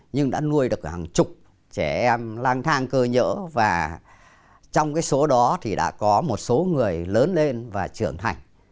nhưng đã nuôi được hàng chục trẻ em lang thang cơ nhỡ và trong cái số đó thì đã có một số người lớn lên và trưởng thành